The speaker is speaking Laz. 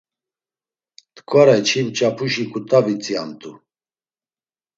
T̆ǩvareçi mç̌apuşi ǩut̆avi tziamt̆u.